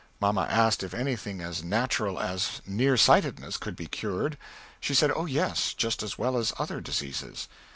Mamma asked if anything as natural as near sightedness could be cured she said oh yes just as well as other deseases.